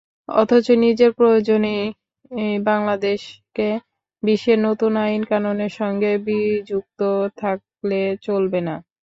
অথচ নিজের প্রয়োজনেই বাংলাদেশকে বিশ্বের নতুন আইন-কানুনের সঙ্গে বিযুক্ত থাকলে চলবে না।